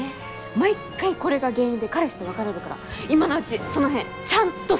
毎回これが原因で彼氏と別れるから今のうちその辺ちゃんと説明しといた方がいいよ？